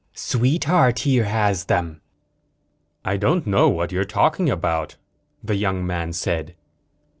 "Sweetheart here has them." "I don't know what you're talking about," the young man said.